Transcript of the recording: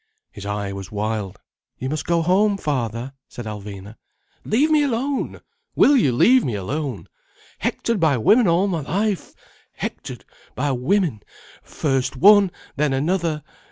His eye was wild. "You must go home, father," said Alvina. "Leave me alone! Will you leave me alone! Hectored by women all my life—hectored by women—first one, then another.